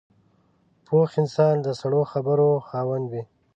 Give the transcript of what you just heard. پوخ انسان د سړو خبرو خاوند وي